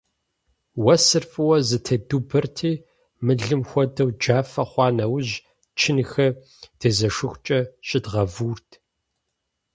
Уэсыр фӀыуэ зэтедубэрти, мылым хуэдэу джафэ хъуа нэужь, чынхэр дезэшыхукӀэ щыдгъэвуурт.